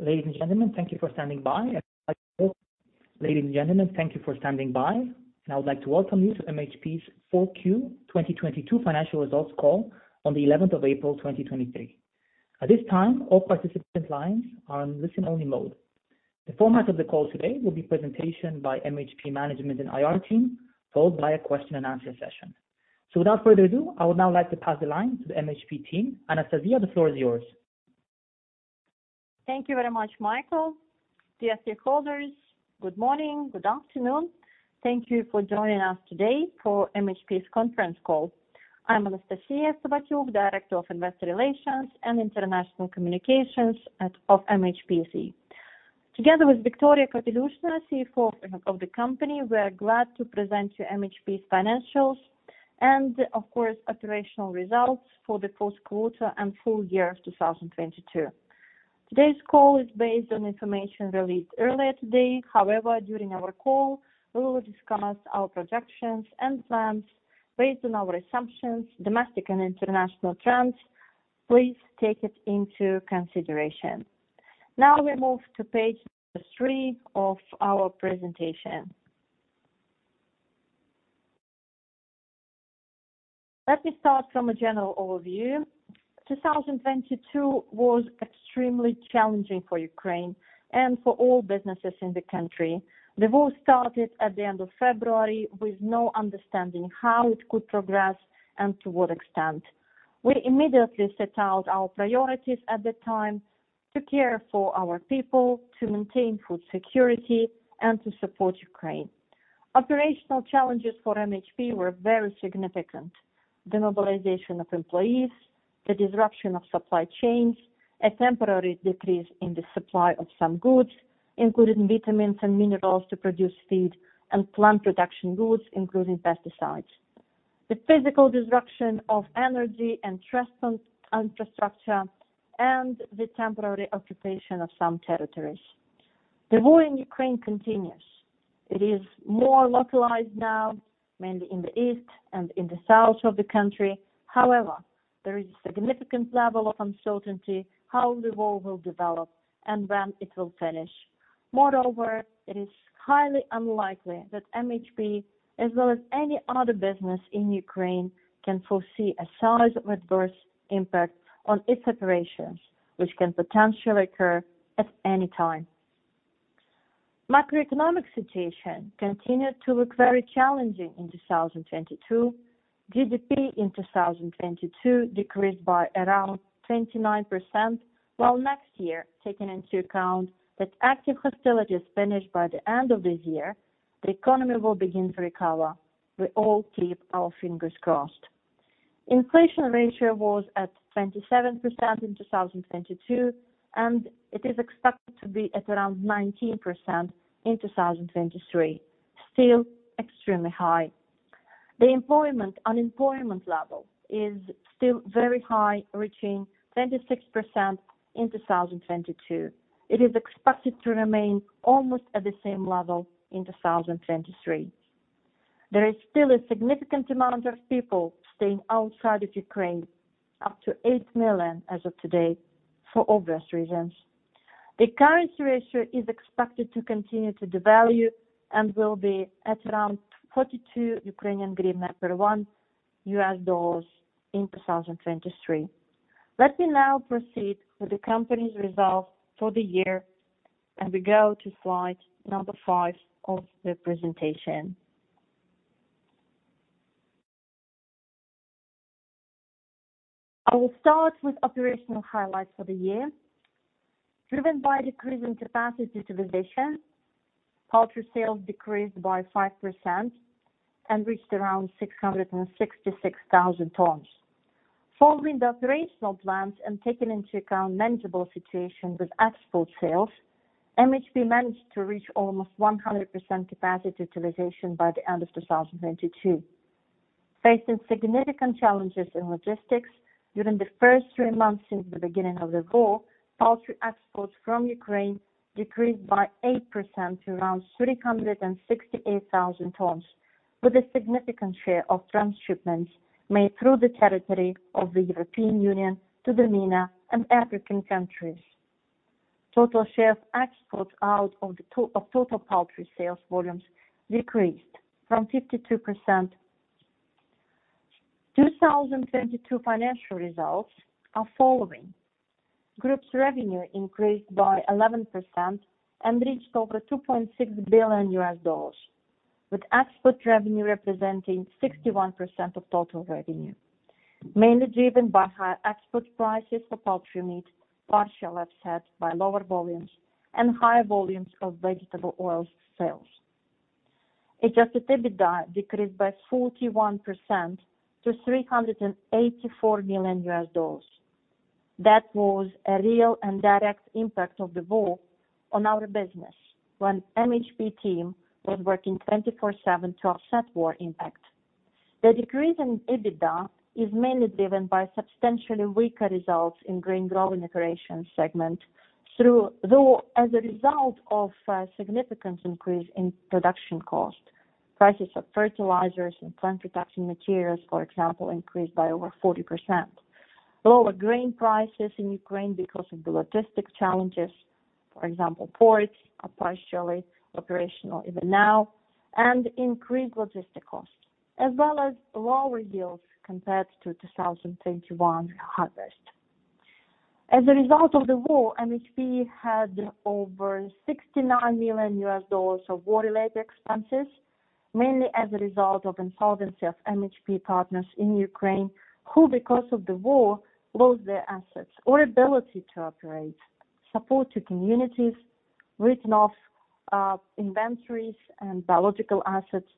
Ladies and gentlemen, thank you for standing by. I would like to welcome you to MHP's 4Q 2022 financial results call on the 11th of April, 2023. At this time, all participant lines are on listen only mode. The format of the call today will be presentation by MHP management and IR team, followed by a question-and-answer session. Without further ado, I now like to pass the line to the MHP team. Anastasiya, the floor is yours. Thank you very much, Michael. Dear shareholders, good morning. Good afternoon. Thank you for joining us today for MHP's conference call. I'm Anastasiya Sobotyuk, Director of Investor Relations and International Communications of MHP SE. Together with Viktoria Kapelyushnaya, CFO of the company, we are glad to present you MHP's financials and of course, operational results for the fourth quarter and full year of 2022. Today's call is based on information released earlier today. However, during our call, we will discuss our projections and plans based on our assumptions, domestic and international trends. Please take it into consideration. Now we move to page three of our presentation. Let me start from a general overview. 2022 was extremely challenging for Ukraine and for all businesses in the country. The war started at the end of February with no understanding how it could progress and to what extent. We immediately set out our priorities at the time to care for our people, to maintain food security and to support Ukraine. Operational challenges for MHP were very significant. The mobilization of employees, the disruption of supply chains, a temporary decrease in the supply of some goods, including vitamins and minerals to produce feed and plant production goods, including pesticides. The physical disruption of energy and transport infrastructure and the temporary occupation of some territories. The war in Ukraine continues. It is more localized now, mainly in the east and in the south of the country. However, there is a significant level of uncertainty how the war will develop and when it will finish. Moreover, it is highly unlikely that MHP as well as any other business in Ukraine, can foresee a size of adverse impact on its operations, which can potentially occur at any time. Macroeconomic situation continued to look very challenging in 2022. GDP in 2022 decreased by around 29%, while next year, taking into account that active hostility is finished by the end of this year, the economy will begin to recover. We all keep our fingers crossed. Inflation ratio was at 27% in 2022, and it is expected to be at around 19% in 2023. Still extremely high. The unemployment level is still very high, reaching 26% in 2022. It is expected to remain almost at the same level in 2023. There is still a significant amount of people staying outside of Ukraine, up to 8 million as of today for obvious reasons. The currency ratio is expected to continue to devalue and will be at around UAH 42 per $1 in 2023. Let me now proceed with the company's results for the year. We go to slide number five of the presentation. I will start with operational highlights for the year. Driven by a decrease in capacity utilization, poultry sales decreased by 5% and reached around 666,000 tons. Following the operational plans and taking into account manageable situation with export sales, MHP managed to reach almost 100% capacity utilization by the end of 2022. Facing significant challenges in logistics during the first three months since the beginning of the war, poultry exports from Ukraine decreased by 8% to around 368,000 tons, with a significant share of transshipments made through the territory of the European Union to the MENA and African countries. Total share of exports out of total poultry sales volumes decreased from 52%. 2022 financial results are following. Group's revenue increased by 11% and reached over $2.6 billion, with export revenue representing 61% of total revenue, mainly driven by higher export prices for poultry meat, partially offset by lower volumes and higher volumes of vegetable oils sales. Adjusted EBITDA decreased by 41% to $384 million. That was a real and direct impact of the war on our business when MHP team was working 24/7 to offset war impact. The decrease in EBITDA is mainly driven by substantially weaker results in grain growing operations segment. Though, as a result of a significant increase in production cost. Prices of fertilizers and plant protection materials, for example, increased by over 40%. Lower grain prices in Ukraine because of the logistic challenges. For example, ports are partially operational even now and increased logistic costs as well as lower yields compared to 2021 harvest. As a result of the war, MHP had over $69 million of war-related expenses, mainly as a result of insolvency of MHP partners in Ukraine, who because of the war, lost their assets or ability to operate, support to communities, written off inventories and biological assets.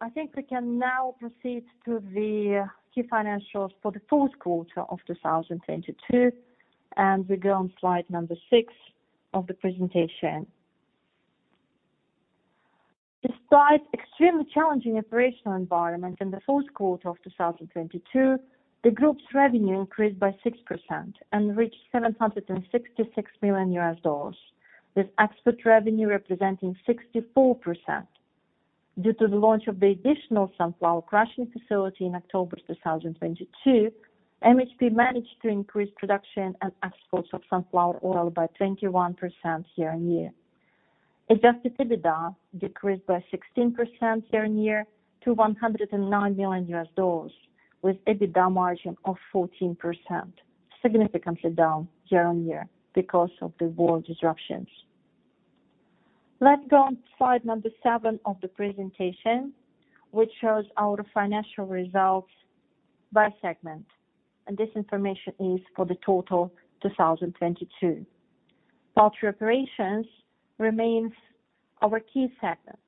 I think we can now proceed to the key financials for the fourth quarter of 2022, and we go on slide number six of the presentation. Despite extremely challenging operational environment in the fourth quarter of 2022, the group's revenue increased by 6% and reached $766 million, with export revenue representing 64%. Due to the launch of the additional sunflower crushing facility in October 2022, MHP managed to increase production and exports of sunflower oil by 21% year-on-year. Adjusted EBITDA decreased by 16% year-on-year to $109 million with EBITDA margin of 14%, significantly down year-on-year because of the war disruptions. Let's go on slide number seven of the presentation, which shows our financial results by segment, and this information is for the total 2022. Poultry operations remains our key segment.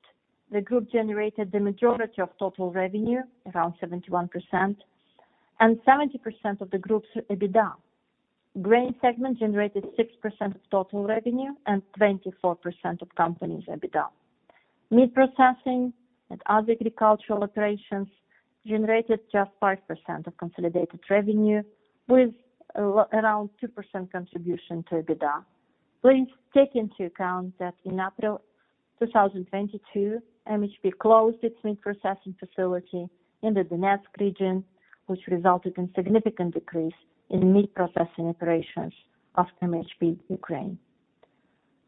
The group generated the majority of total revenue around 71% and 70% of the group's EBITDA. Grain segment generated 6% of total revenue and 24% of company's EBITDA. Meat processing and other agricultural operations generated just 5% of consolidated revenue with around 2% contribution to EBITDA. Please take into account that in April 2022, MHP closed its meat processing facility in the Donetsk region, which resulted in significant decrease in meat processing operations of MHP Ukraine.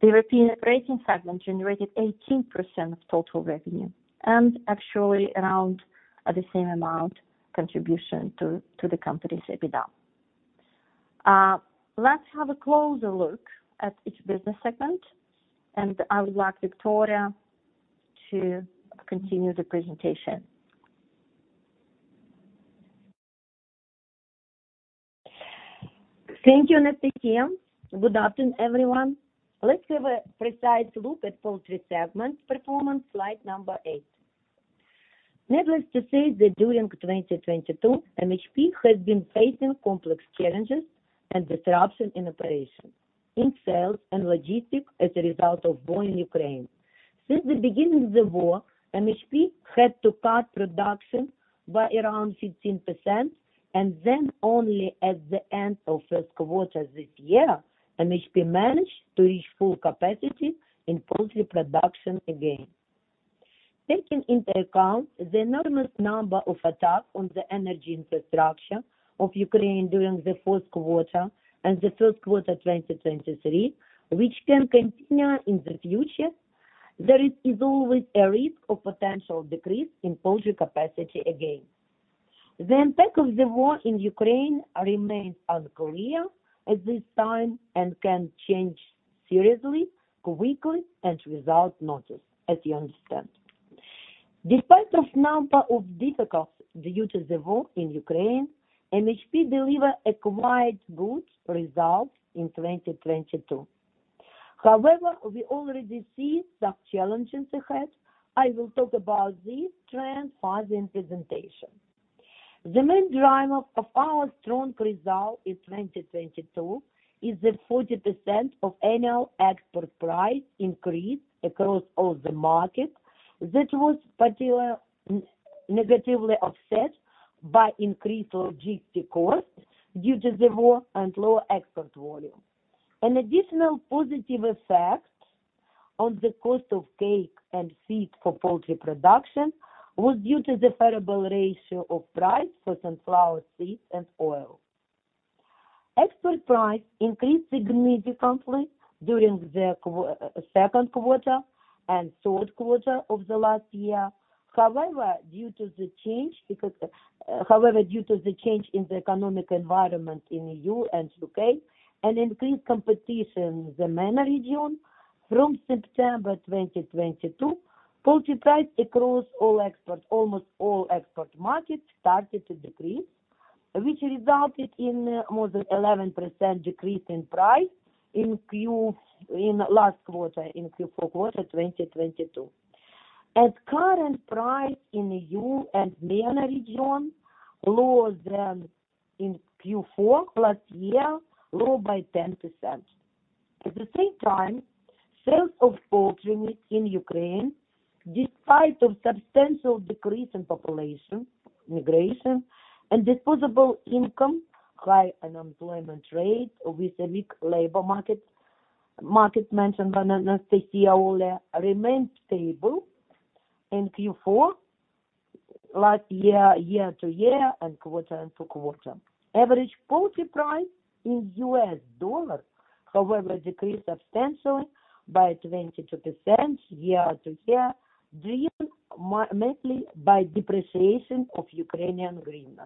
The European trading segment generated 18% of total revenue and actually around the same amount contribution to the company's EBITDA. Let's have a closer look at each business segment, and I would like Victoria to continue the presentation. Thank you, Anastasia. Good afternoon, everyone. Let's have a precise look at poultry segment performance, slide number eight. Needless to say that during 2022, MHP has been facing complex challenges and disruption in operation in sales and logistics as a result of war in Ukraine. Since the beginning of the war, MHP had to cut production by around 15%, and then only at the end of first quarter this year, MHP managed to reach full capacity in poultry production again. Taking into account the enormous number of attacks on the energy infrastructure of Ukraine during the fourth quarter and the first quarter 2023, which can continue in the future, there is always a risk of potential decrease in poultry capacity again. The impact of the war in Ukraine remains unclear at this time and can change seriously, quickly, and without notice, as you understand. Despite this number of difficulties due to the war in Ukraine, MHP deliver a quite good result in 2022. We already see some challenges ahead. I will talk about these trends further in presentation. The main driver of our strong result in 2022 is the 40% of annual export price increase across all the market that was particular negatively offset by increased logistic costs due to the war and lower export volume. Additional positive effect on the cost of cake and feed for poultry production was due to the favorable ratio of price for sunflower seeds and oil. Export price increased significantly during the second quarter and third quarter of the last year. Due to the change because. Due to the change in the economic environment in EU and U.K. and increased competition in the MENA region, from September 2022, poultry price across almost all export markets started to decrease, which resulted in more than 11% decrease in price in last quarter, in Q4 2022. At current price in EU and MENA region, lower than in Q4 last year, low by 10%. At the same time, sales of poultry meat in Ukraine, despite of substantial decrease in population, migration and disposable income, high unemployment rate with a weak labor market mentioned by Anastasia earlier remained stable in Q4 last year-to-year and quarter-into-quarter. Average poultry price in US dollar however decreased substantially by 22% year-to-year, driven mainly by depreciation of Ukrainian hryvnia.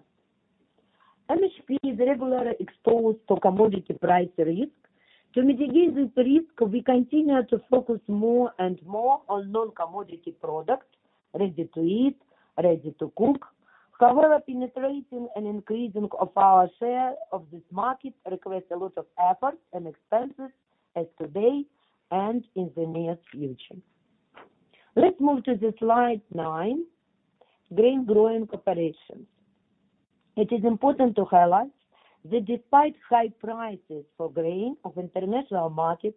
MHP is regularly exposed to commodity price risk. To mitigate this risk, we continue to focus more and more on non-commodity product, ready to eat, ready to cook. However, penetrating and increasing of our share of this market requires a lot of effort and expenses as today and in the near future. Let's move to the slide nine, grain growing operations. It is important to highlight that despite high prices for grain of international market,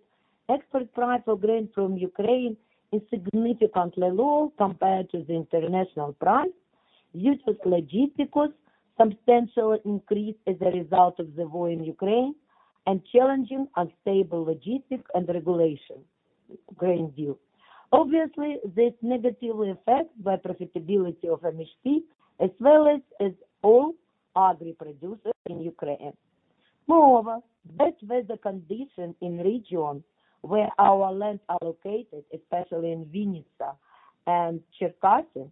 export price for grain from Ukraine is significantly low compared to the international price due to logistics substantially increased as a result of the war in Ukraine and challenging unstable logistics and regulation grain deal. Obviously, this negatively affects the profitability of MHP as well as all agri producers in Ukraine. Moreover, bad weather condition in regions where our lands are located, especially in Vinnytsia and Cherkasy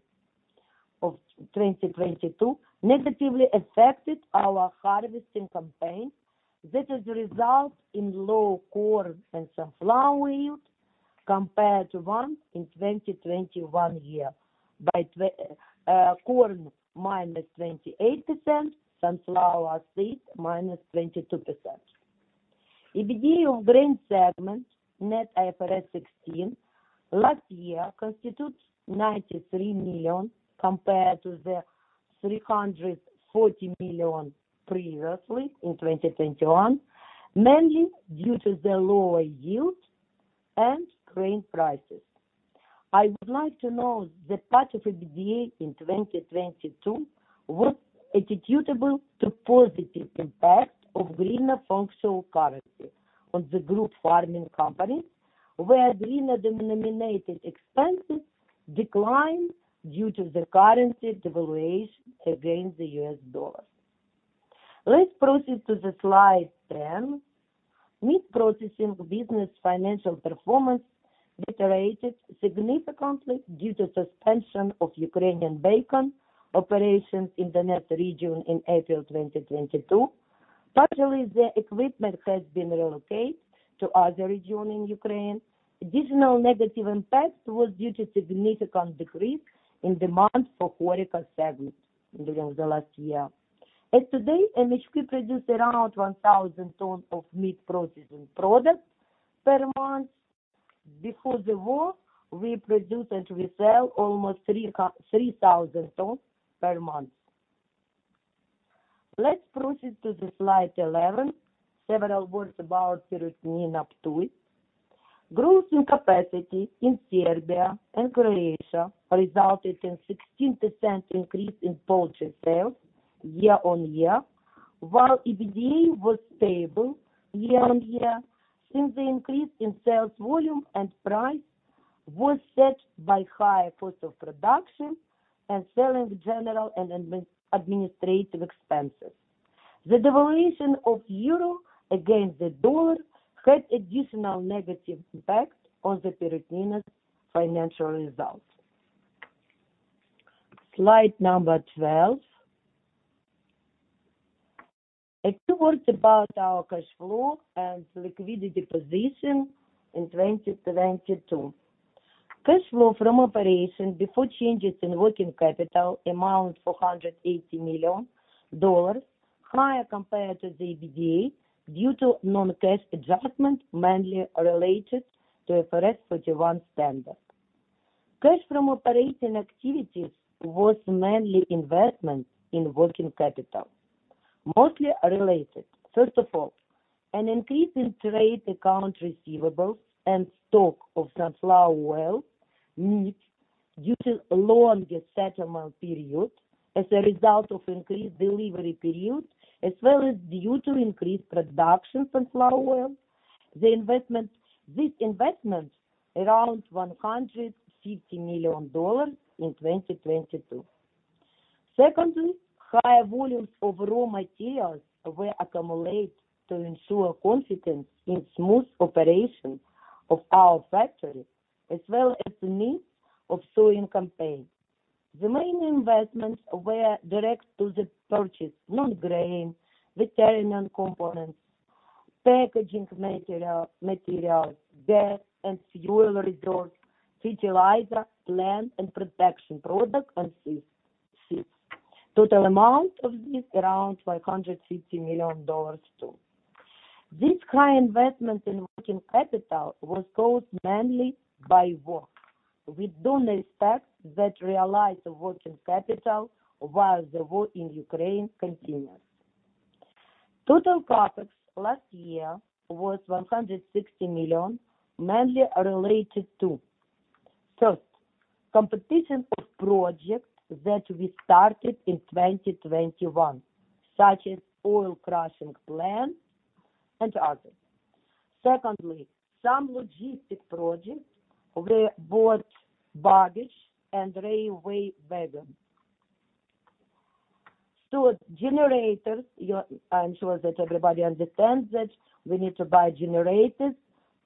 of 2022, negatively affected our harvesting campaign. This has result in low corn and sunflower yield compared to one in 2021 year by corn -28%, sunflower seed -22%. EBITDA of grain segment net IFRS 16 last year constitutes $93 million compared to the $340 million previously in 2021, mainly due to the lower yield and grain prices. I would like to note that part of EBITDA in 2022 was attributable to positive impact of hryvnia functional currency on the group farming companies, where hryvnia denominated expenses declined due to the currency devaluation against the US dollar. Let's proceed to the slide 10. Meat processing business financial performance deteriorated significantly due to suspension of Ukrainian Bacon operations in the west region in April 2022. Partially, the equipment has been relocated to other region in Ukraine. Additional negative impact was due to significant decrease in demand for HoReCa segment during the last year. As today, MHP produced around 1,000 tons of meat processing products per month. Before the war, we produce and we sell almost 3,000 tons per month. Let's proceed to the slide 11. Several words about Perutnina Ptuj. Growth in capacity in Serbia and Croatia resulted in 16% increase in poultry sales year-on-year, while EBITDA was stable year-on-year since the increase in sales volume and price was set by higher cost of production and selling general and administrative expenses. The devaluation of euro against the dollar had additional negative impact on the Perutnina's financial results. Slide number 12. A few words about our cash flow and liquidity position in 2022. Cash flow from operation before changes in working capital amount $480 million, higher compared to the EBITDA due to non-cash adjustment mainly related to IFRS 31 standard. Cash from operating activities was mainly investment in working capital, mostly related, first of all, an increase in trade account receivables and stock of sunflower oil need due to longer settlement period as a result of increased delivery period as well as due to increased production sunflower oil. This investment around $150 million in 2022. Secondly, higher volumes of raw materials were accumulate to ensure confidence in smooth operation of our factory as well as the need of sowing campaign. The main investments were direct to the purchase, non-grain, veterinarian components, packaging materials, gas and fuel reserve, fertilizer, plant and protection product, and seeds. Total amount of this, around $150 million too. This high investment in working capital was caused mainly by war. We don't expect that realize of working capital while the war in Ukraine continues. Total CapEx last year was $160 million, mainly related to. First, competition of projects that we started in 2021, such as oil crushing plant and others. Secondly, some logistic projects where bought barge and railway wagon. Generators, I'm sure that everybody understands that we need to buy generators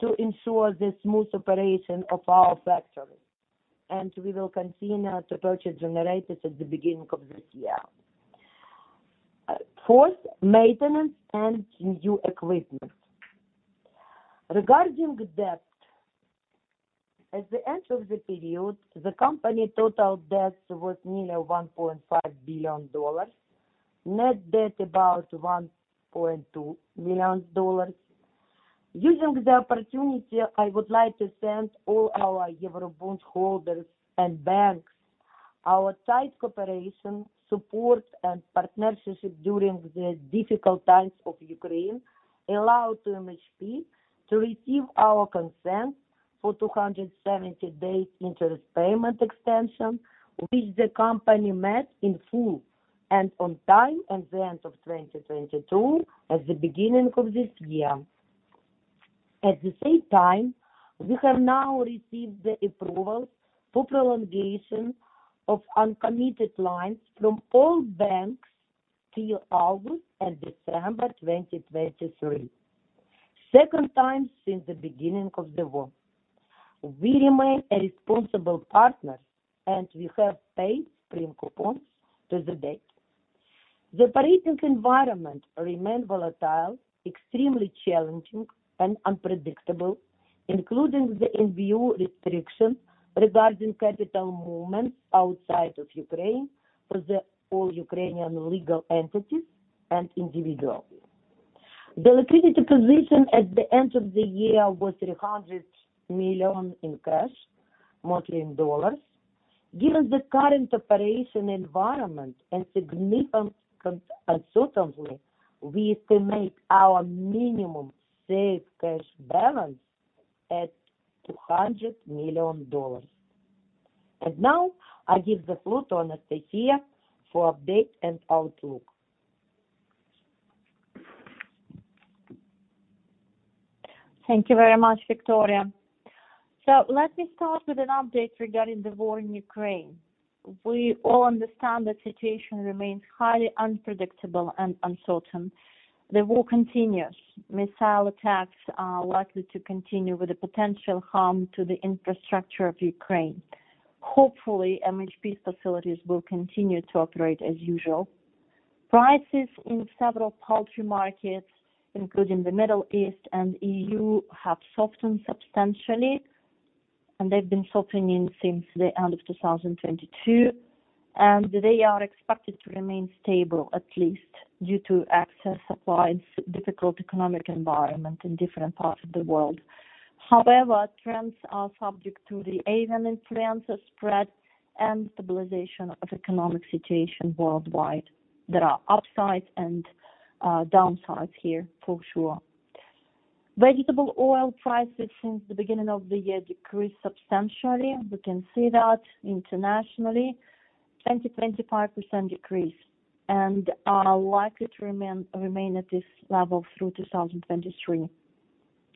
to ensure the smooth operation of our factories, and we will continue to purchase generators at the beginning of this year. Fourth, maintenance and new equipment. Regarding debt. At the end of the period, the company total debt was nearly $1.5 billion. Net debt about $1.2 million. Using the opportunity, I would like to thank all our Eurobond holders and banks. Our tight cooperation, support, and partnership during the difficult times of Ukraine allow to MHP to receive our consent for 270 days interest payment extension, which the company met in full and on time at the end of 2022, at the beginning of this year. At the same time, we have now received the approval for prolongation of uncommitted lines from all banks till August and December 2023. Second time since the beginning of the war. We remain a responsible partner, and we have paid premium coupons to the date. The operating environment remain volatile, extremely challenging and unpredictable, including the NBU restriction regarding capital movements outside of Ukraine for the all Ukrainian legal entities and individuals. The liquidity position at the end of the year was $300 million in cash, mostly in dollars. Given the current operation environment and significant uncertainty, we estimate our minimum safe cash balance at $200 million. Now I give the floor to Anastasia for update and outlook. Thank you very much, Victoria. Let me start with an update regarding the war in Ukraine. We all understand the situation remains highly unpredictable and uncertain. The war continues. Missile attacks are likely to continue with the potential harm to the infrastructure of Ukraine. Hopefully, MHP's facilities will continue to operate as usual. Prices in several poultry markets, including the Middle East and EU, have softened substantially, and they've been softening since the end of 2022, and they are expected to remain stable, at least due to excess supply and difficult economic environment in different parts of the world. However, trends are subject to the avian influenza spread and stabilization of economic situation worldwide. There are upsides and downsides here for sure. Vegetable oil prices since the beginning of the year decreased substantially. We can see that internationally, 20%-25% decrease and are likely to remain at this level through 2023,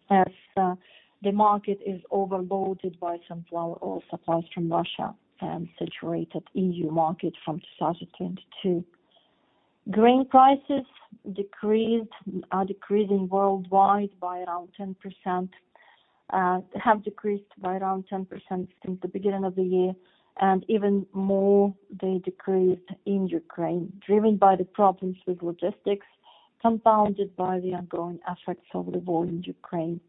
as the market is overloaded by sunflower oil supplies from Russia and saturated EU market from 2022. Grain prices are decreasing worldwide by around 10%. Have decreased by around 10% since the beginning of the year and even more they decreased in Ukraine, driven by the problems with logistics, compounded by the ongoing effects of the war in Ukraine.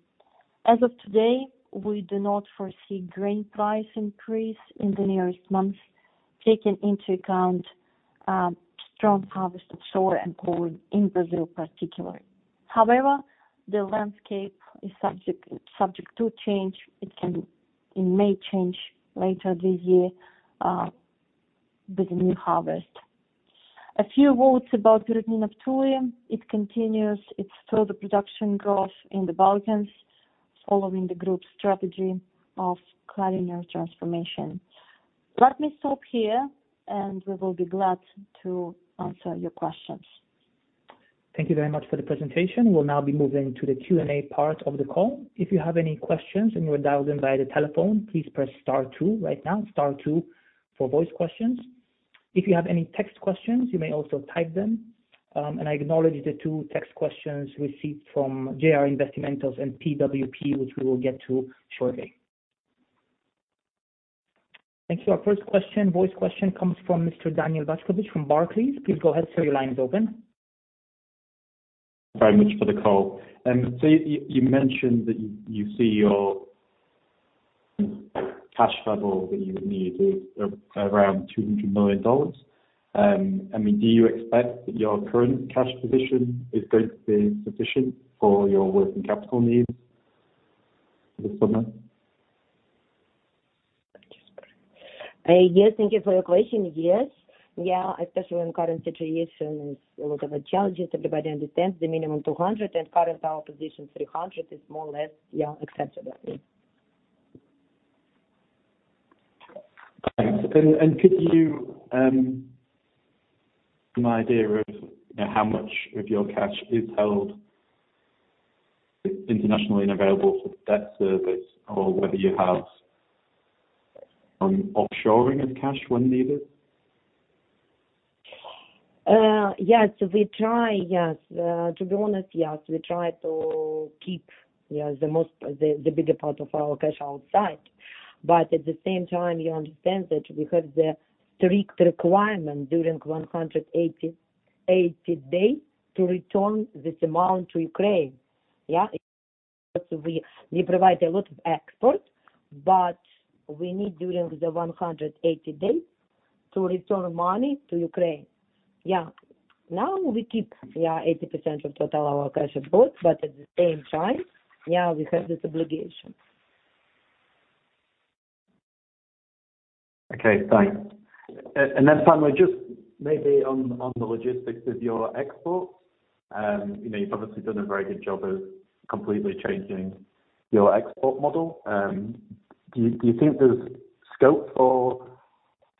As of today, we do not foresee grain price increase in the nearest months, taking into account strong harvest of soy and corn in Brazil particularly. However, the landscape is subject to change. It may change later this year with the new harvest. A few words about Group Neftochim. It continues its further production growth in the Balkans, following the group's strategy of cleaner transformation. Let me stop here. We will be glad to answer your questions. Thank you very much for the presentation. We'll now be moving to the Q&A part of the call. If you have any questions and you're dialed in via the telephone, please press star two right now. Star two for voice questions. If you have any text questions, you may also type them. I acknowledge the two text questions received from JR Investimentos and PWP, which we will get to shortly. Thank you. Our first question, voice question comes from Mr. Daniel Vaskovich from Barclays. Please go ahead, sir. Your line is open. Very much for the call. You mentioned that you see your cash level that you would need is around $200 million. I mean, do you expect that your current cash position is going to be sufficient for your working capital needs this summer? Yes. Thank you for your question. Yes, especially when current situation is a lot of challenges, everybody understands the minimum $200 and current our position $300 is more or less acceptable. Thanks. Could you give me an idea of, you know, how much of your cash is held internationally and available for debt service or whether you have offshoring of cash when needed? Yes, we try, yes. To be honest, yes, we try to keep the most, the bigger part of our cash outside. At the same time, you understand that we have the strict requirement during 180 days to return this amount to Ukraine. We provide a lot of export, but we need during the 180 days to return money to Ukraine. Now we keep 80% of total our cash abroad, but at the same time, we have this obligation. Okay. Thanks. Then finally, just maybe on the logistics of your exports, you know, you've obviously done a very good job of completely changing your export model. Do you think there's scope for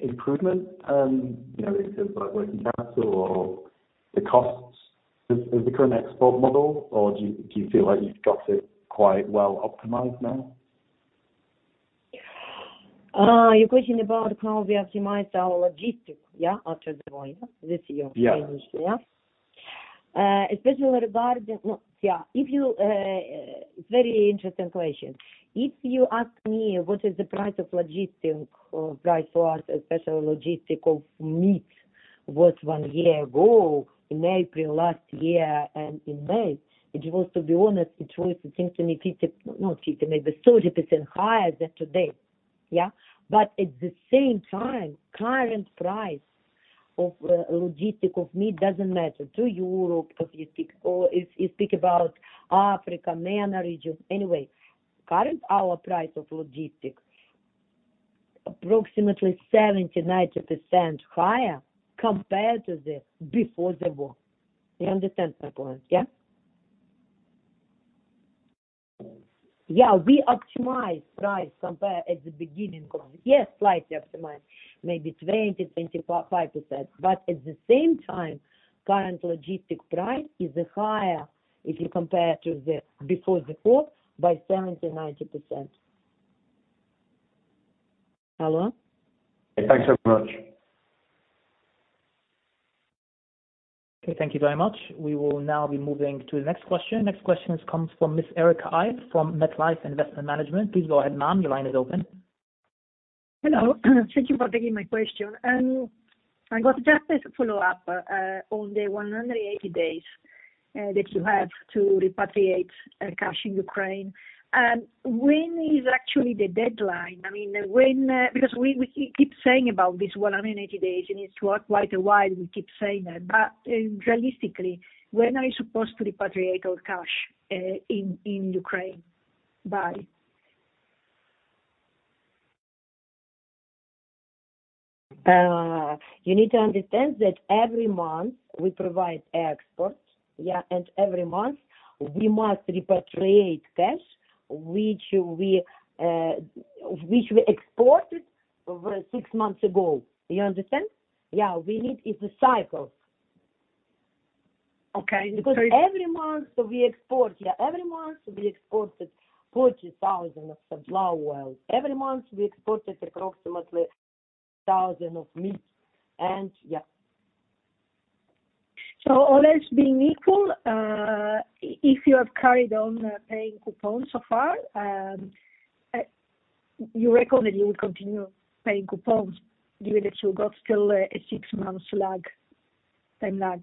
improvement, you know, in terms of like working capital or the costs of the current export model, or do you feel like you've got it quite well optimized now? You're questioning about how we optimize our logistics, yeah, after the war, yeah. This is your question, yeah? Yeah. especially regarding... Well, yeah. If you... Very interesting question. If you ask me what is the price of logistics or price for us, especially logistics of meat, was one year ago in April last year and in May, to be honest, it seems to me 50%, not 50%, maybe 30% higher than today. At the same time, current price of logistics of meat doesn't matter to Europe, if you speak, or if you speak about Africa, MENA region. Current our price of logistics approximately 70%-90% higher compared to the before the war. You understand my point, yeah? We optimize price compared at the beginning of... Yes, slightly optimize maybe 20%-25%. At the same time, current logistics price is higher if you compare to the before the war by 70%-90%. Hello? Thanks very much. Okay, thank you very much. We will now be moving to the next question. Next question comes from Miss Erica Ive from MetLife Investment Management. Please go ahead, ma'am. Your line is open. Hello. Thank you for taking my question. I got just a follow-up on the 180 days that you have to repatriate cash in Ukraine. When is actually the deadline? I mean, when, because we keep saying about this 180 days, and it's quite a while we keep saying that. Realistically, when are you supposed to repatriate all cash in Ukraine? Bye. You need to understand that every month we provide exports. Every month we must repatriate cash which we exported over six months ago. You understand? It's a cycle. Okay. Every month we export. Yeah. Every month we exported 40,000 of sunflower oil. Every month we exported approximately 1,000 of meat and, yeah. All else being equal, if you have carried on, paying coupons so far, you reckon that you will continue paying coupons even if you got still a six-month lag, time lag?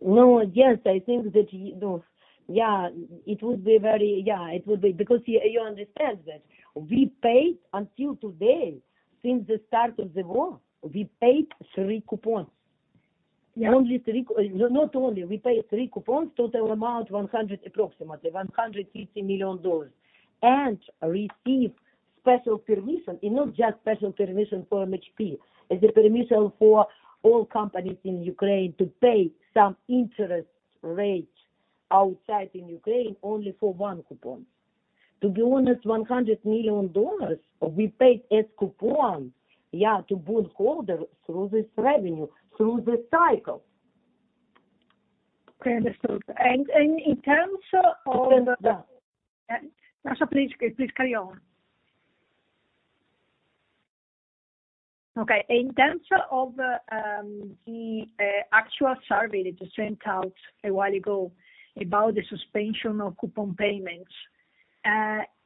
No. Yes, I think that, No. Yeah, it would be. Because you understand that we paid until today, since the start of the war, we paid three coupons. Yeah. Not only we paid three coupons, total amount $100 million, approximately $150 million, and received special permission. Not just special permission for MHP, is a permission for all companies in Ukraine to pay some interest rates outside in Ukraine only for one coupon. To be honest, $100 million we paid as coupon, yeah, to bondholder through this revenue, through this cycle. Okay. Understood. In terms of. In terms, yeah. Yeah. No. Please carry on. Okay. In terms of the actual survey that you sent out a while ago about the suspension of coupon payments.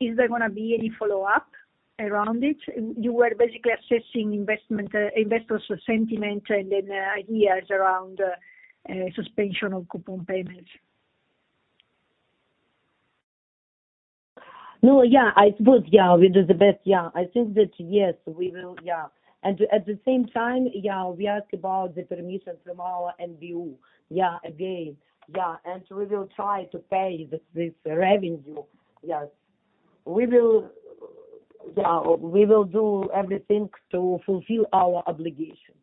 Is there gonna be any follow-up around it? You were basically assessing investment investors' sentiment and then ideas around suspension of coupon payments. No. Yeah, I suppose, yeah, we do the best, yeah. I think that, yes, we will, yeah. At the same time, yeah, we ask about the permissions from our NBU, yeah, again. Yeah. We will try to pay this revenue. Yes. We will do everything to fulfill our obligation.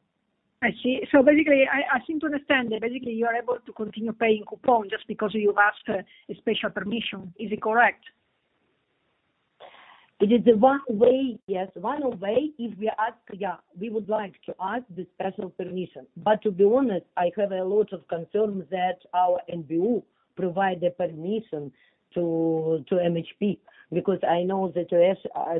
I see. Basically, I seem to understand that basically you are able to continue paying coupon just because you've asked a special permission. Is it correct? It is the one way, yes. One way if we ask, yeah. We would like to ask the special permission. To be honest, I have a lot of concerns that our NBU provide the permission to MHP, because I know the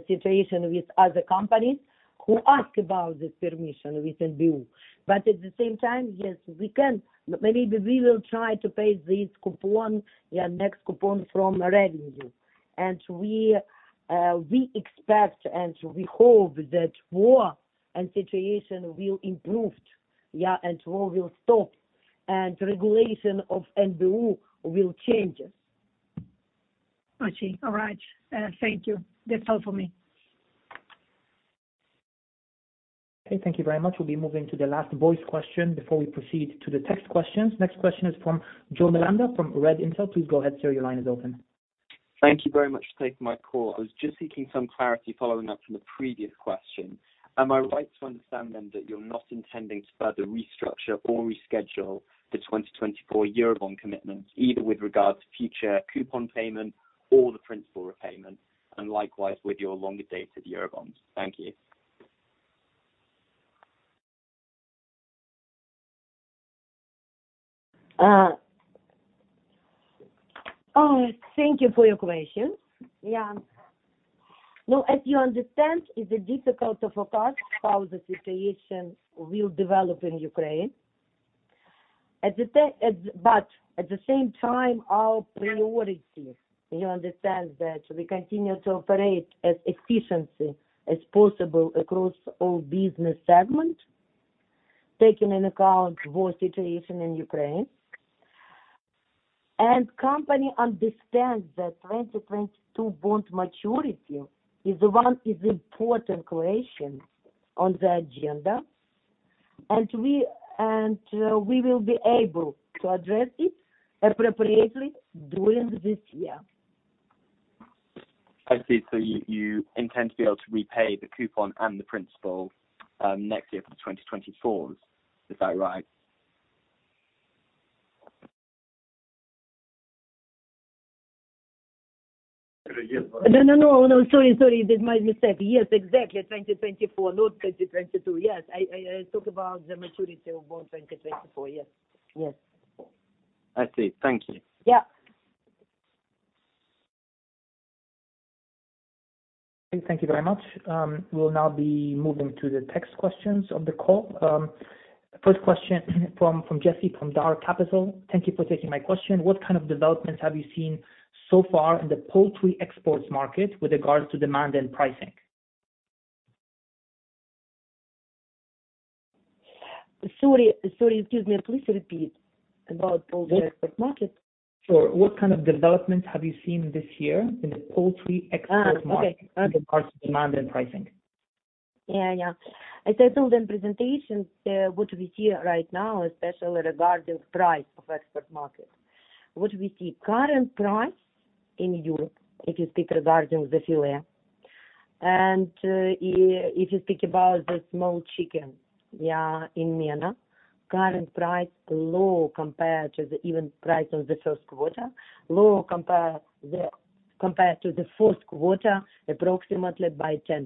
situation with other companies who ask about this permission with NBU. At the same time, yes, we can. Maybe we will try to pay this coupon, yeah, next coupon from revenue. We expect and we hope that war and situation will improved, yeah, and war will stop, and regulation of NBU will change. I see. All right. Thank you. That's all for me. Okay, thank you very much. We'll be moving to the last voice question before we proceed to the text questions. Next question is from Joe Miranda from Red Intel. Please go ahead, sir. Your line is open. Thank you very much for taking my call. I was just seeking some clarity following up from the previous question. Am I right to understand then that you're not intending to further restructure or reschedule the 2024 Eurobond commitments, either with regards to future coupon payment or the principal repayments, and likewise with your longer dates of the Eurobonds? Thank you. Thank you for your question. Yeah. No, as you understand, it's difficult to forecast how the situation will develop in Ukraine. But at the same time, our priority, you understand that we continue to operate as efficiently as possible across all business segment, taking into account war situation in Ukraine. Company understands that 2022 bond maturity is one important question on the agenda, and we will be able to address it appropriately during this year. I see. You intend to be able to repay the coupon and the principal, next year for the 2024s. Is that right? No, no, no. Sorry, sorry. That's my mistake. Yes, exactly. 2024, not 2022. Yes. I talk about the maturity of bond 2024. Yes. Yes. I see. Thank you. Yeah. Thank you very much. We'll now be moving to the text questions of the call. First question from Jesse, from DAR Capital. Thank you for taking my question. What kind of developments have you seen so far in the poultry exports market with regards to demand and pricing? Sorry. Excuse me. Please repeat about poultry export market. Sure. What kind of developments have you seen this year in the poultry export market? Okay. With regards to demand and pricing? As I told in presentation, what we see right now, especially regarding price of export market. What we see, current price in Europe, if you speak regarding the fillet. If you speak about the small chicken in MENA, current price low compared to the even price of the first quarter. Lower compared to the fourth quarter, approximately by 10%.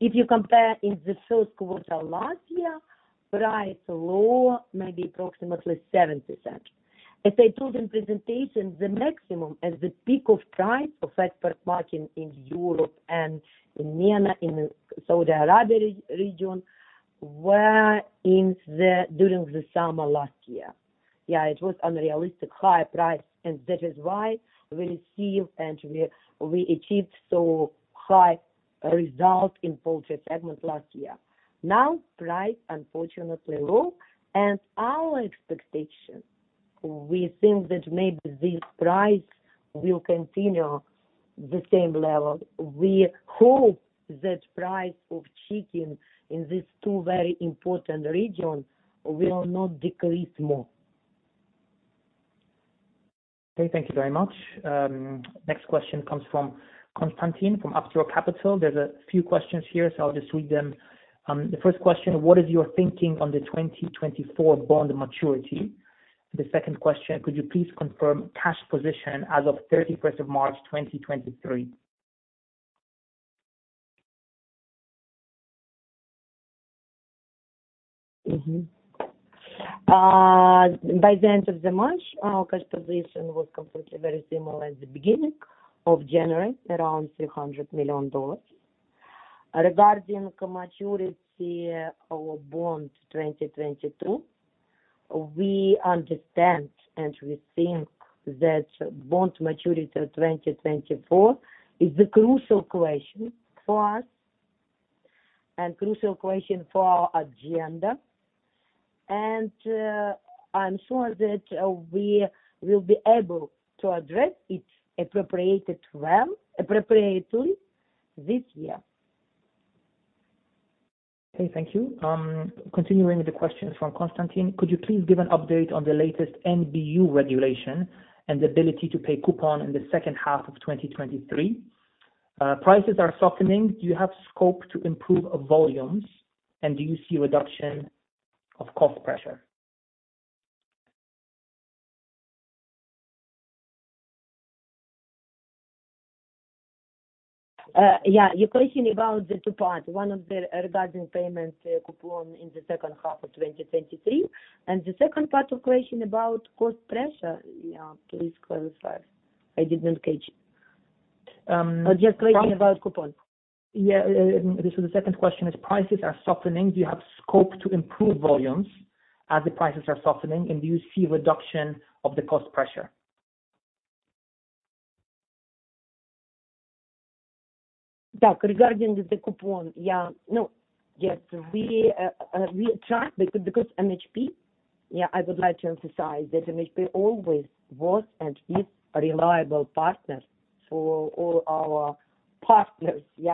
If you compare in the first quarter last year, price low, maybe approximately 7%. As I told in presentation, the maximum at the peak of price of export market in Europe and in MENA, in Saudi Arabia region, were during the summer last year. It was unrealistic high price, that is why we received and we achieved so high result in poultry segment last year. Now, price, unfortunately, low. Our expectation, we think that maybe this price will continue the same level. We hope that price of chicken in these two very important region will not decrease more. Okay, thank you very much. Next question comes from Constantine, from Upstrop Capital. There's a few questions here. I'll just read them. The first question, what is your thinking on the 2024 bond maturity? The second question, could you please confirm cash position as of 31st of March, 2023? By the end of March, our cash position was completely very similar as the beginning of January, around $300 million. Regarding maturity our bond 2022, we understand and we think that bond maturity 2024 is a crucial question for us and crucial question for our agenda. I'm sure that we will be able to address it appropriately this year. Okay, thank you. Continuing with the questions from Constantine. Could you please give an update on the latest NBU regulation and the ability to pay coupon in the second half of 2023? Prices are softening. Do you have scope to improve volumes, and do you see a reduction of cost pressure? Your question about the two parts, one of the regarding payment coupon in the second half of 2023, and the second part of question about cost pressure. Please clarify. I did not catch. Um- Just question about coupon? Yeah. The second question is, prices are softening. Do you have scope to improve volumes as the prices are softening, and do you see a reduction of the cost pressure? Regarding the coupon, we try because MHP, I would like to emphasize that MHP always was and is a reliable partner for all our partners. We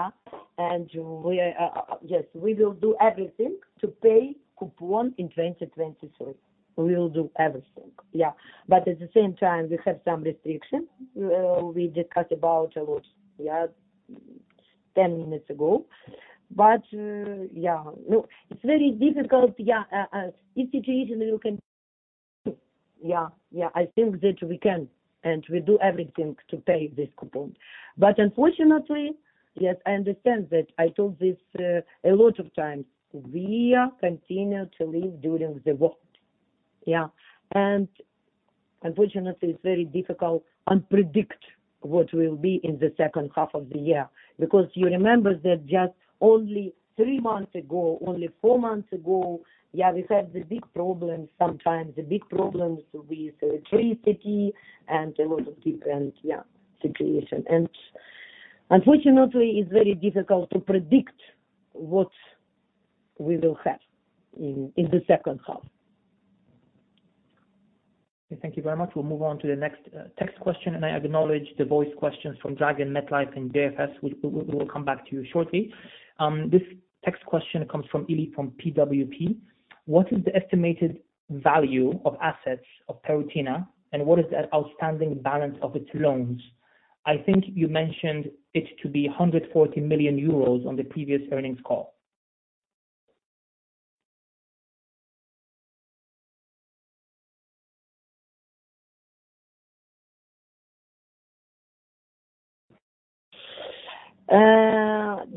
will do everything to pay coupon in 2023. We will do everything. At the same time, we have some restrictions. We discussed about a lot 10 minutes ago. It's very difficult if situation looking. I think that we can and we do everything to pay this coupon. Unfortunately, I understand that. I told this a lot of times. We continue to live during the war. Unfortunately, it's very difficult and predict what will be in the second half of the year. You remember that just only three months ago, only four months ago, yeah, we had the big problems, sometimes the big problems with electricity and a lot of different, yeah, situation. Unfortunately, it's very difficult to predict what we will have in the second half. Okay. Thank you very much. We'll move on to the next text question, I acknowledge the voice questions from Dragon, MetLife, and JFS. We will come back to you shortly. This text question comes from Eli from PWP. What is the estimated value of assets of Perutnina Ptuj, and what is the outstanding balance of its loans? I think you mentioned it to be 140 million euros on the previous earnings call.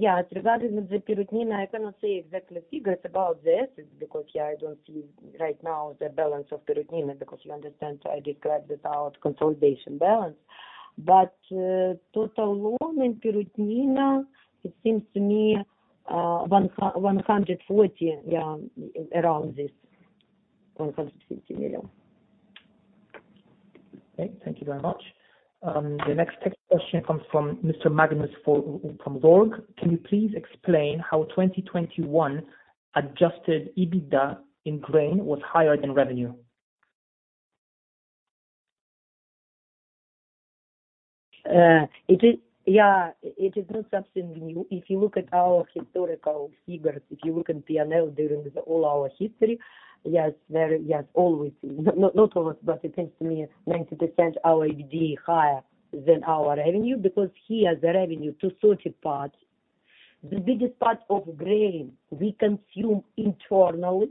Yes. Regarding Perutnina Ptuj, I cannot say exactly figures about this because I don't see right now the balance of Perutnina Ptuj because you understand, I described it without consolidation balance. Total loan in Perutnina Ptuj, it seems to me, $140 million, around this. $150 million. Okay. Thank you very much. The next text question comes from Mr. Magnus from Borg. Can you please explain how 2021 Adjusted EBITDA in grain was higher than revenue? It is not something new. If you look at our historical figures, if you look at P&L during all our history, yes, always. Not always, but it seems to me 90% our EBITDA higher than our revenue because here the revenue, two-third part. The biggest part of grain we consume internally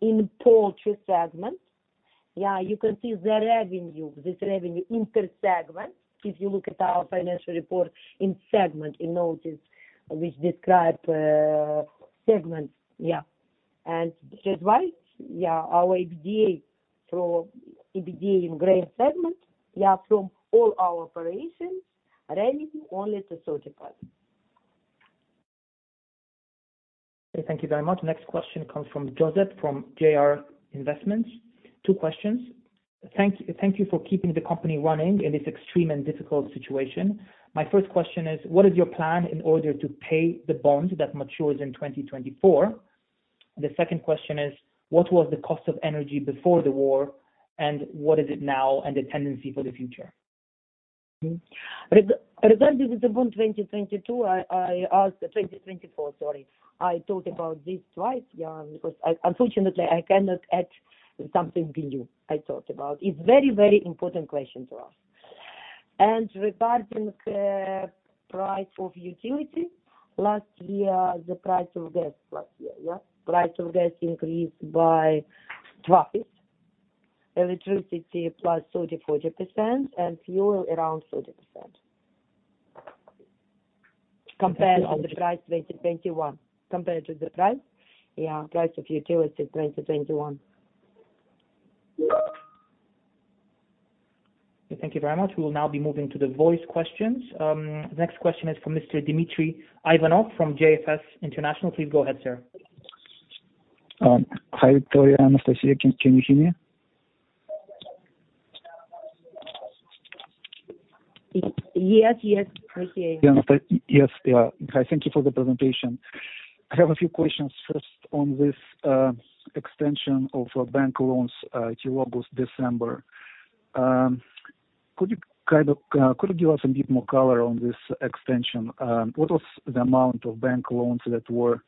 in poultry segment. You can see the revenue, this revenue inter-segment if you look at our financial report in segment in notices which describe segments. That's why, our EBITDA in grain segment, from all our operations, revenue only two-third part. Okay. Thank you very much. Next question comes from Joseph from JR Investments. Two questions. Thank you for keeping the company running in this extreme and difficult situation. My first question is, what is your plan in order to pay the bonds that matures in 2024? The second question is, what was the cost of energy before the war, and what is it now and the tendency for the future? Regarding with the bond 2022, I... 2024, sorry. I talked about this twice, yeah, because unfortunately, I cannot add something new. I talked about. It's very, very important question to ask. Regarding the price of utility, last year, the price of gas... Last year, yeah. Price of gas increased by twice. Electricity plus 30%-40%, and fuel around 30%. Compared to the price 2021. Compared to the price. Yeah, price of utility 2021. Thank you very much. We will now be moving to the voice questions. The next question is from Mr. Dmitry Ivanov from JFS International. Please go ahead, sir. Hi, Victoria, Anastacia. Can you hear me? Yes, yes. We hear you. Yes. Yeah. Hi, thank you for the presentation. I have a few questions. First, on this extension of bank loans to August, December. Could you give us a bit more color on this extension? What was the amount of bank loans that were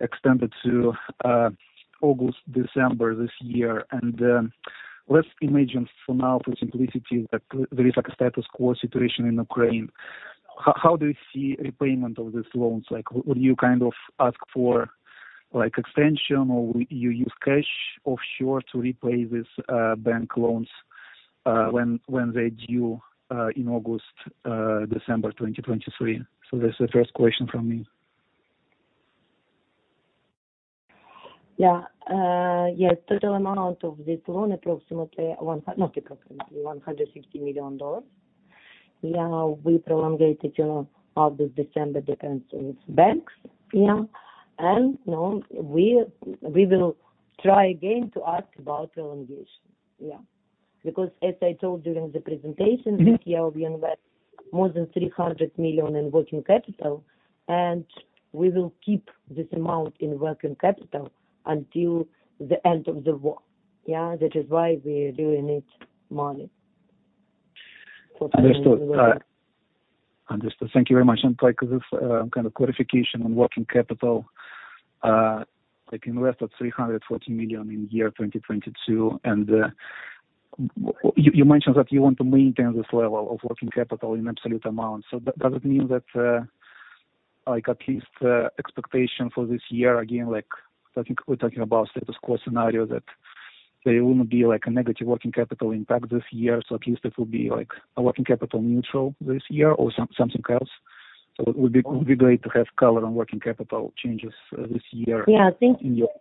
extended to August, December this year? Let's imagine for now, for simplicity, that there is a status quo situation in Ukraine. How do you see repayment of these loans? Would you ask for extension or would you use cash offshore to repay these bank loans when they're due in August, December 2023? That's the first question from me. Yes, total amount of this loan, approximately $150 million. We prolongate it to August, December, depends on banks. You know, we will try again to ask about prolongation. Because as I told during the presentation, this year we invest more than $300 million in working capital, and we will keep this amount in working capital until the end of the war. That is why we are doing it money. Understood. Understood. Thank you very much. Like this, kind of qualification on working capital, like invest of $340 million in 2022, and, you mentioned that you want to maintain this level of working capital in absolute amount. Does it mean that, like at least, expectation for this year, again, like, I think we're talking about status quo scenario, that there wouldn't be like a negative working capital impact this year. At least it will be like a working capital neutral this year or something else. It would be great to have color on working capital changes, this year. Yeah. In your-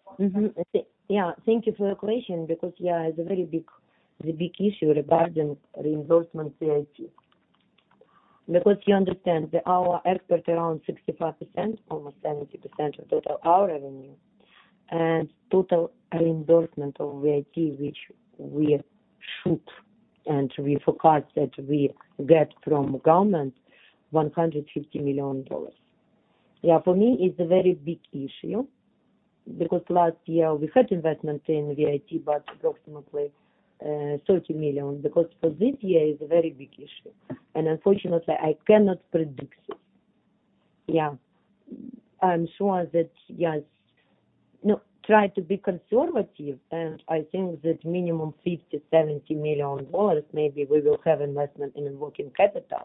Yeah. Thank you for your question because, yeah, it's a very big issue regarding reimbursement VAT. You understand that our export around 65%, almost 70% of total our revenue. Total reimbursement of VAT, which we should, and we forecast that we get from government $150 million. Yeah, for me it's a very big issue because last year we had investment in VAT, but approximately $30 million. For this year it's a very big issue, and unfortunately, I cannot predict it. Yeah. I'm sure that, try to be conservative, and I think that minimum $50 million-$70 million maybe we will have investment in working capital.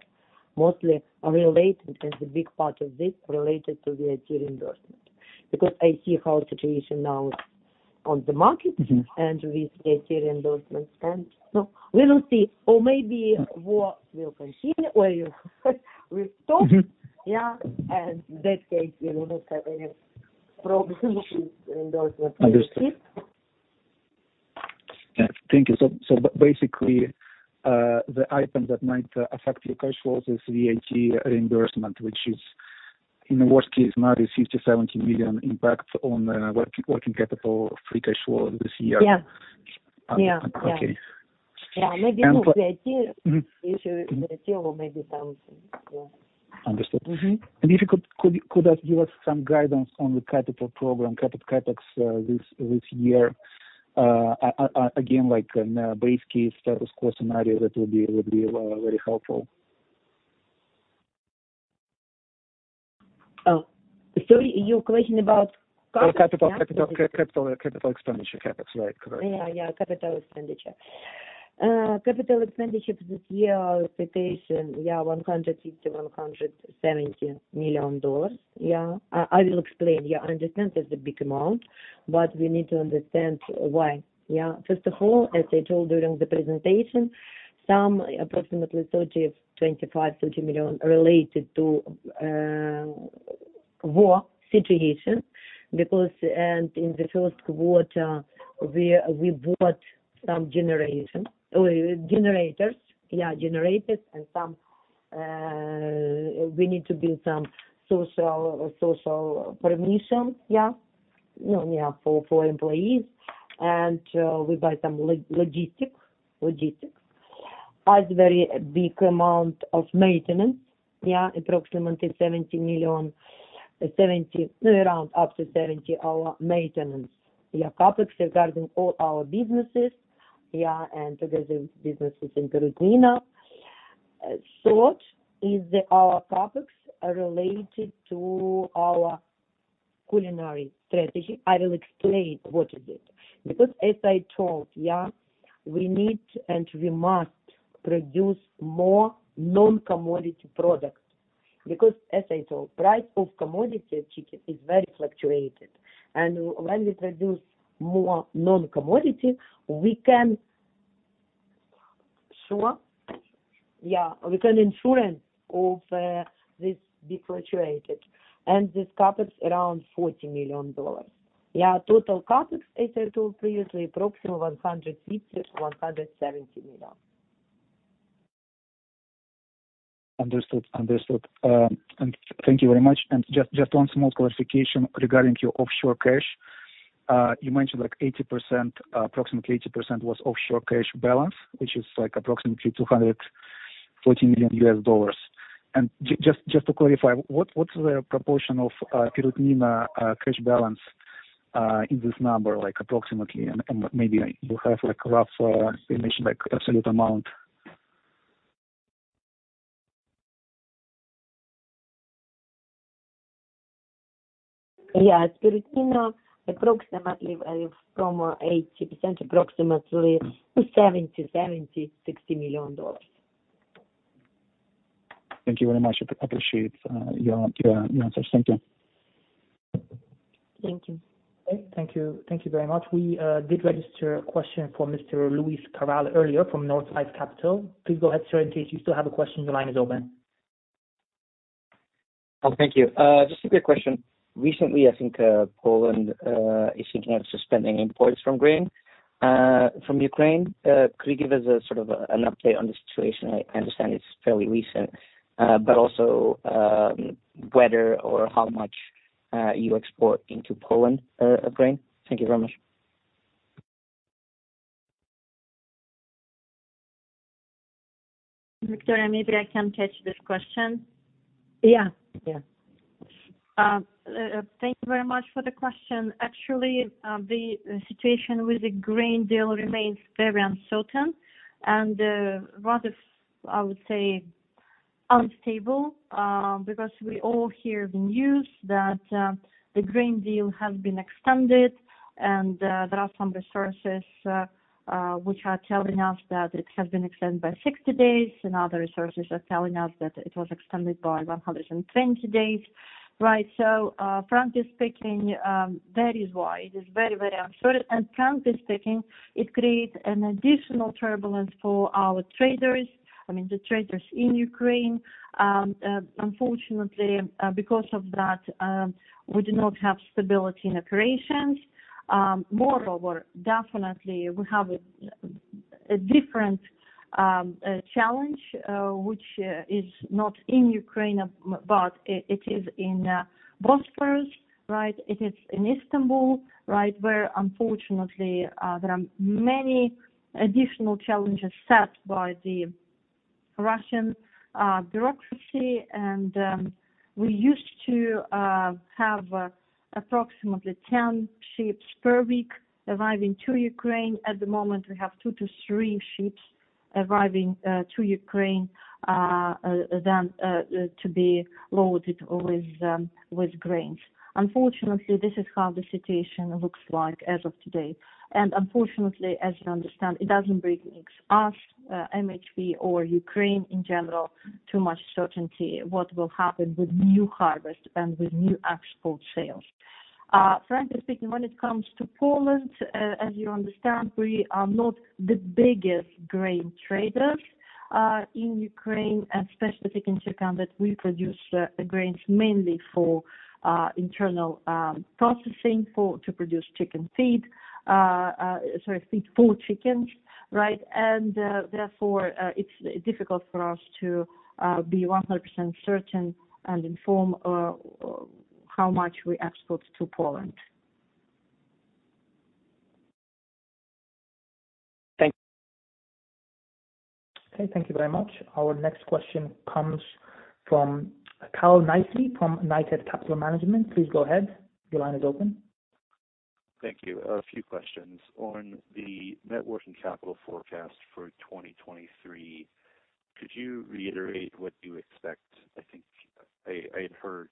Mostly related, and the big part of this related to VAT reimbursement. I see how situation now on the market- Mm-hmm. With VAT reimbursements and... No. We will see or maybe war will continue or, you know, will stop. Mm-hmm. Yeah. In that case, we will not have any problems with reimbursement received. Understood. Yeah. Thank you. Basically, the item that might affect your cash flows is VAT reimbursement, which is, in the worst case, maybe $50 million-$70 million impact on working capital free cash flow this year. Yeah. Yeah. Okay. Yeah. And, uh- VAT issue, VAT or maybe something. Yeah. Understood. Mm-hmm. If you could give us some guidance on the capital program, CapEx, this year, again, like in a base case status quo scenario that would be very helpful. Oh, sorry. You're questioning about CapEx, yeah? Oh, capital expenditure. CapEx. Right. Correct. Capital expenditure. Capital expenditure this year, our expectation, $150 million-$170 million. I will explain. I understand it's a big amount, but we need to understand why. First of all, as I told during the presentation, some approximately $30 million, $25 million, $30 million related to war situation because. In the first quarter we bought some generation, generators. generators and some we need to build some social permission. You know, for employees. we buy some logistics. As very big amount of maintenance, approximately $70 million. $70 million, you know, around up to $70 million our maintenance. CapEx regarding all our businesses and together with businesses in Berdiansk. Third is our CapEx related to our culinary strategy. I will explain what is it. As I told, yeah, we need and we must produce more non-commodity product. As I told, price of commodity chicken is very fluctuated. When we produce more non-commodity, Sure. Yeah. We can insurance of, this defluctuated. This CapEx around $40 million. Yeah. Total CapEx, as I told previously, approximately $160 million-$170 million. Understood. Understood. Thank you very much. Just one small clarification regarding your offshore cash. You mentioned like 80% was offshore cash balance, which is like approximately $240 million. Just to clarify, what's the proportion of cash balance in this number, like approximately? Maybe you have like rough estimation, like absolute amount. Yeah. approximately, from 80%, approximately $70 million, $60 million. Thank you very much. I appreciate your answers. Thank you. Thank you. Okay. Thank you. Thank you very much. We did register a question for Mr. Luis Corral earlier from Northside Capital. Please go ahead, sir. In case you still have a question, the line is open. Oh, thank you. Just a quick question. Recently, I think, Poland is thinking of suspending imports from grain from Ukraine. Could you give us a sort of an update on the situation? I understand it's fairly recent. But also, whether or how much you export into Poland of grain. Thank you very much. Victoria, maybe I can take this question. Yeah. Yeah. Thank you very much for the question. Actually, the situation with the grain deal remains very uncertain and rather, I would say unstable, because we all hear the news that the grain deal has been extended and there are some resources which are telling us that it has been extended by 60 days, and other resources are telling us that it was extended by 120 days, right? Frankly speaking, that is why it is very, very uncertain. Frankly speaking, it creates an additional turbulence for our traders. I mean, the traders in Ukraine. Unfortunately, because of that, we do not have stability in operations. Moreover, definitely we have a different challenge, which is not in Ukraine, but it is in Bosphorus, right? It is in Istanbul, right, where unfortunately, there are many additional challenges set by the Russian bureaucracy. We used to have approximately 10 ships per week arriving to Ukraine. At the moment, we have two to three ships arriving to Ukraine then to be loaded with grains. This is how the situation looks like as of today. Unfortunately, as you understand, it doesn't bring us MHP or Ukraine in general too much certainty what will happen with new harvest and with new export sales. Frankly speaking, when it comes to Poland, as you understand, we are not the biggest grain traders in Ukraine and specifically in Cherkasy that we produce grains mainly for internal processing for, to produce chicken feed. Sorry, feed for chickens, right? Therefore, it's difficult for us to be 100% certain and inform how much we export to Poland. Thank- Okay, thank you very much. Our next question comes from Carl Nicey from Knighthead Capital Management. Please go ahead. Your line is open. Thank you. A few questions. On the net working capital forecast for 2023, could you reiterate what you expect? I think I had heard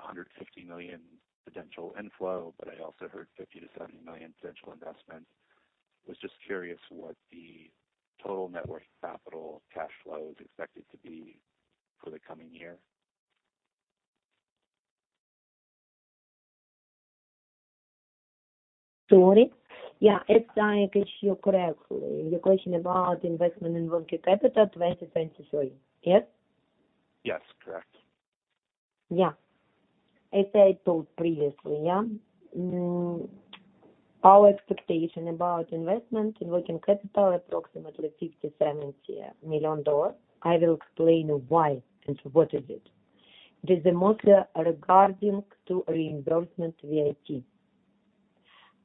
$150 million potential inflow, I also heard $50 million-$70 million potential investment. Was just curious what the total net working capital cash flow is expected to be for the coming year. Sorry. Yeah, it's like, if you correctly, your question about investment in working capital, 2023. Yes? Yes, correct. Yeah. As I told previously, yeah. Our expectation about investment in working capital, approximately $57 million. I will explain why and what is it. This is mostly regarding to reimbursement VAT.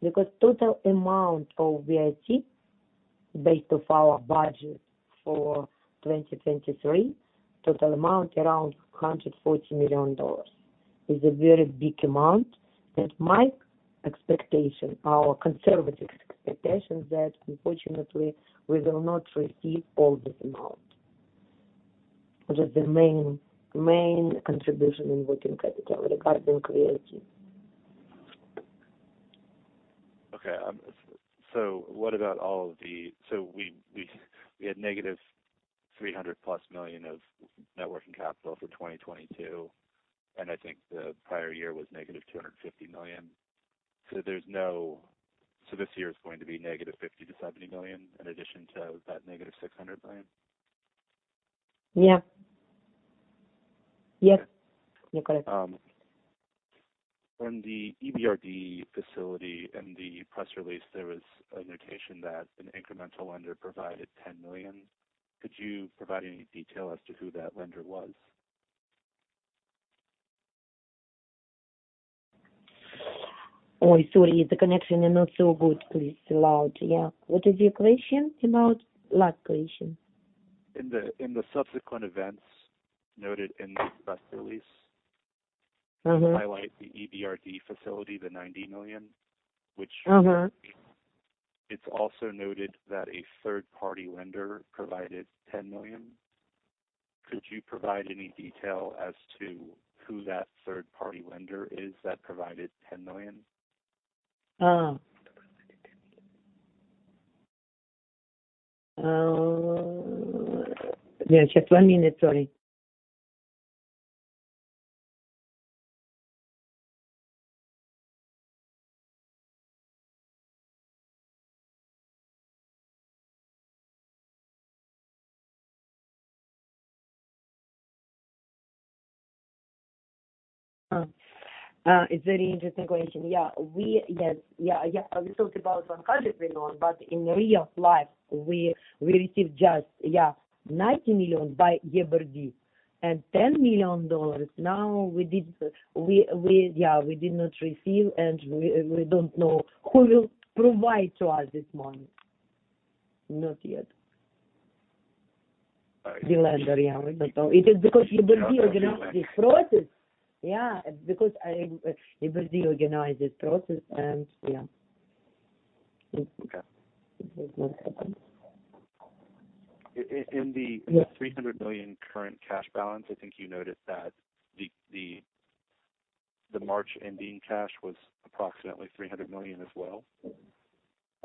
Because total amount of VAT based of our budget for 2023, total amount around $140 million. Is a very big amount that my expectation, our conservative expectation, that unfortunately we will not receive all this amount. Which is the main contribution in working capital regarding creation. Okay. What about We had -$300+ million of net working capital for 2022, and I think the prior year was -$250 million. This year is going to be -$50 million to $70 million in addition to that -$600 million? Yeah. Yes. You're correct. From the EBRD facility and the press release, there was a notation that an incremental lender provided $10 million. Could you provide any detail as to who that lender was? Oh, sorry, the connection is not so good. Please allow it. Yeah. What is your question about? Last question. In the subsequent events noted in the press release. Mm-hmm. Highlight the EBRD facility, the $90 million. Mm-hmm. It's also noted that a third party lender provided $10 million. Could you provide any detail as to who that third party lender is that provided $10 million? Yeah. Just one minute. Sorry. It's a very interesting question. Yeah, Yes. Yeah, We thought about $100 million, but in real life, we received just, yeah, $90 million by EBRD, and $10 million now. Yeah, we did not receive, and we don't know who will provide to us this money. Not yet. All right. The lender, yeah, we don't know. It is because EBRD organized this process. Yeah. EBRD organized this process and yeah. Okay. It did not happen. In, in, in the- Yes. $300 million current cash balance, I think you noted that the March ending cash was approximately $300 million as well.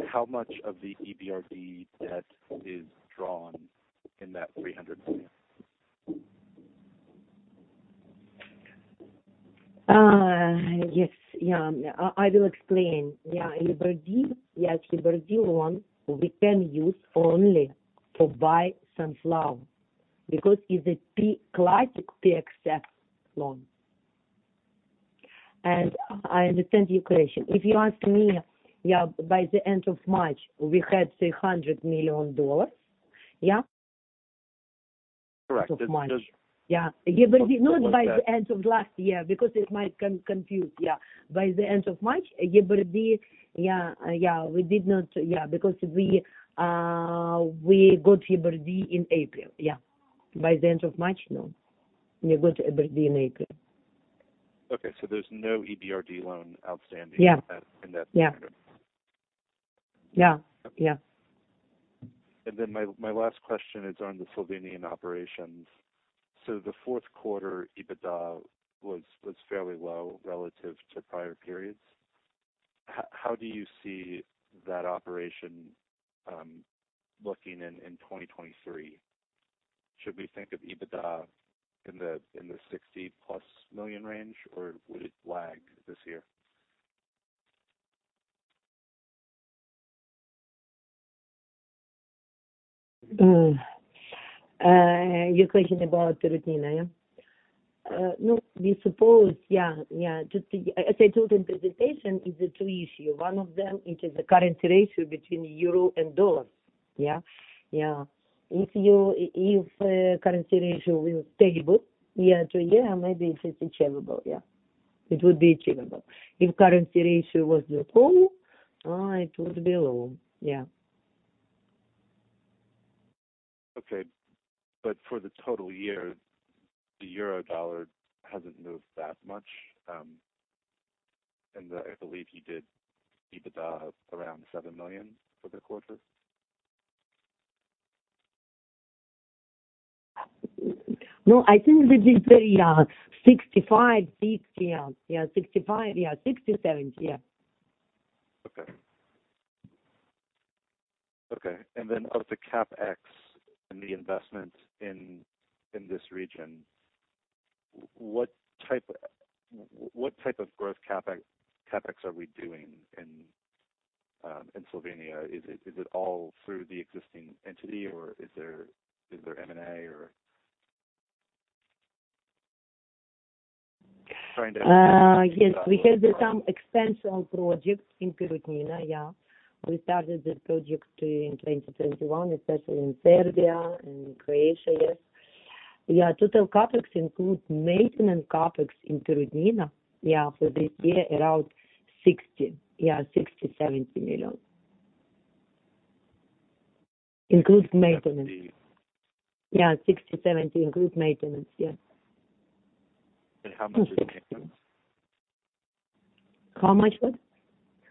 How much of the EBRD debt is drawn in that $300 million? Yes. I will explain. EBRD, yes, EBRD loan we can use only to buy sunflower because it's a pre-classic PF access loan. I understand your question. If you ask me, by the end of March, we had $300 million, yeah? Correct. Of March. Yeah. It looks like- Not by the end of last year because it might confuse. By the end of March, EBRD, we did not. Because we got EBRD in April. By the end of March, no. We got EBRD in April. Okay. there's no EBRD loan outstanding. Yeah. In that figure. Yeah. Yeah. Yeah. My last question is on the Slovenian operations. The fourth quarter EBITDA was fairly low relative to prior periods. How do you see that operation looking in 2023? Should we think of EBITDA in the $60+ million range, or would it lag this year? Your question about Reutyne, yeah? No, we suppose, yeah. As I told in presentation, is two issues. One of them, it is the currency ratio between euro and dollar. Yeah? Yeah. If currency ratio will stay good year-over-year, maybe it is achievable. Yeah. It would be achievable. If currency ratio was poor, it would be low. Yeah. Okay. For the total year, the euro/dollar hasn't moved that much, and I believe you did EBITDA of around $7 million for the quarter. No, I think we did very, $65 million, $60 million, yeah. Yeah, $65 million. Yeah, $67 million. Yeah. Okay. Okay. Of the CapEx and the investment in this region, what type of growth CapEx are we doing in Slovenia? Is it all through the existing entity, or is there M&A or... Yes. Get a sense of- We have some expansion projects in Reutyne. Yeah. We started the project in 2021, especially in Serbia and Croatia. Yes. Total CapEx include maintenance CapEx in Reutyne. For this year, around $60 million. $60 million-$70 million. Includes maintenance. That's. Yeah. $60 million, $70 million include maintenance. Yeah. How much is maintenance? How much what? How much of?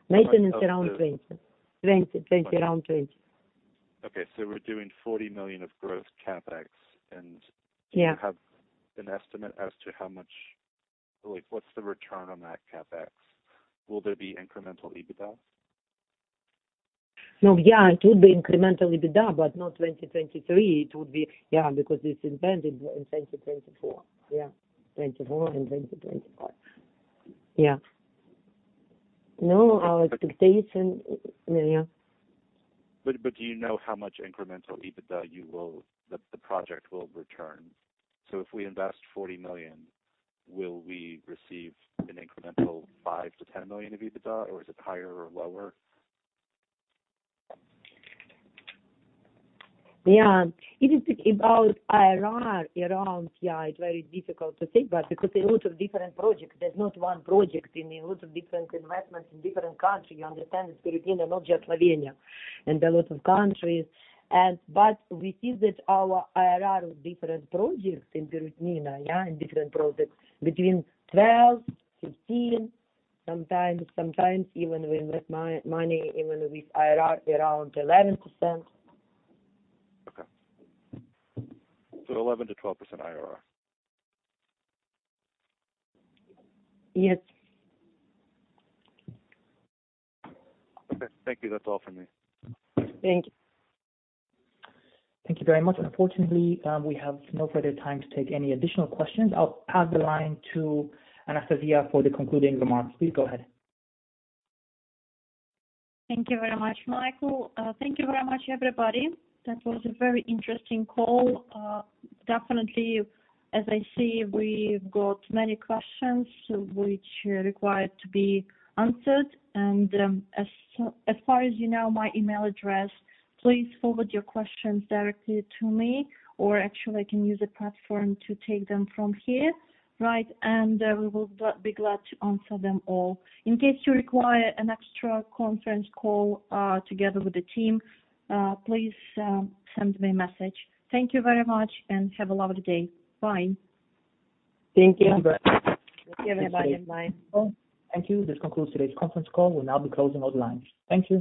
Maintenance around $20 million. Around $20 million. Okay. We're doing $40 million of growth CapEx. Yeah. Like, what's the return on that CapEx? Will there be incremental EBITDA? No, yeah. It will be incremental EBITDA, but not 2023. It would be, yeah, because it's intended in 2024. Yeah. 2024 and 2025. Yeah. No, our expectation. But- Yeah. Do you know how much incremental EBITDA the project will return? If we invest $40 million, will we receive an incremental $5 million-$10 million of EBITDA, or is it higher or lower? Yeah. If you think about IRR around, yeah, it's very difficult to say, because there are a lot of different projects. There's not one project. I mean, a lot of different investments in different countries. You understand it's Reutyne and not just Slovenia. There are a lot of countries and. We see that our IRR of different projects in Reutyne, yeah, in different projects between 12%-15%, sometimes even we make money even with IRR around 11%. Okay. 11%-12% IRR. Yes. Okay. Thank you. That's all for me. Thank you. Thank you very much. Unfortunately, we have no further time to take any additional questions. I'll pass the line to Anastasia for the concluding remarks. Please go ahead. Thank you very much, Michael. Thank you very much, everybody. That was a very interesting call. Definitely, as I see, we've got many questions which are required to be answered. As far as you know, my email address, please forward your questions directly to me, or actually, I can use the platform to take them from here, right? We will be glad to answer them all. In case you require an extra conference call, together with the team, please send me a message. Thank you very much and have a lovely day. Bye. Thank you. Thank you, everybody. Bye. Thank you. This concludes today's conference call. We'll now be closing all lines. Thank you.